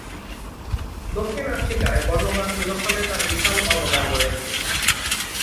দক্ষিণ আফ্রিকায় বর্ণবাদ নিরসনে তার বিশাল অবদান রয়েছে।